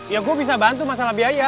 ya gue bisa bantu masalah biaya